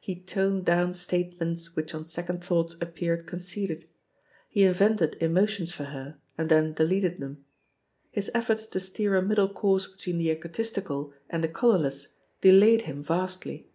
He toned down statements which on sec ond thoughts appeared conceited; he invented emotions for her, and then deleted them. His efforts to steer a middle course between the egotistical and the colourless delayed him vastly?